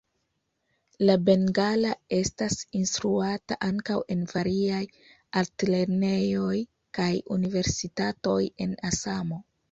La bengala estas instruata ankaŭ en variaj altlernejoj kaj universitatoj en Asamo.